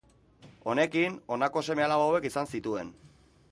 Honekin, honako seme-alaba hauek izan zituen.